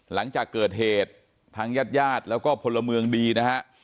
หลังจากเกิดเหตุทางญาติญาติแล้วก็พลเมืองดีนะฮะ